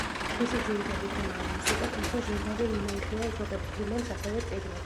მისი ძირითადი თემაა მუსიკა, თუმცა ჟურნალი მიმოიხილავს როგორც ფილმებს, ასევე წიგნებს.